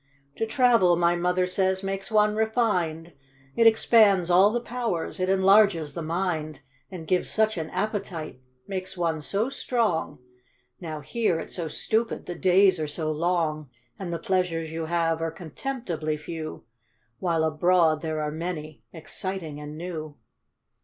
" To travel, my mother says, makes one refined ; It expands all the powers ; it enlarges the mind ; And gives such an appetite; makes one so strong; How here it's so stupid ; the days are so long, And the pleasures you have are contemptibly few. While abroad there are many, exciting, and new."